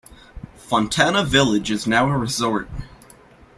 Fontana Village is now a resort.